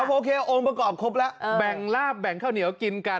โอเคอองประกอบครบแล้ว